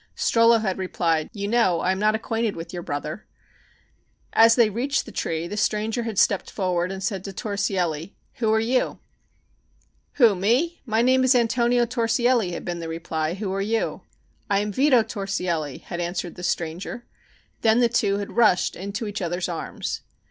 Strollo had replied: "You know I am not acquainted with your brother." As they reached the tree the stranger had stepped forward and said to Torsielli: "Who are you?" "Who? Me? My name is Antonio Torsielli," had been the reply. "Who are you?" "I am Vito Torsielli," had answered the stranger. Then the two had rushed into each other's arms.